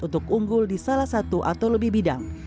untuk unggul di salah satu atau lebih bidang